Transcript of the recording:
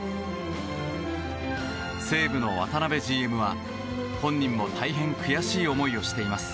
西武の渡辺ＧＭは、本人も大変悔しい思いをしています。